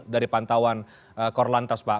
dari pantauan korlantas pak